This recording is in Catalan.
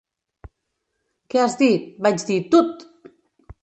Que has dit? Vaig dir "Tut!"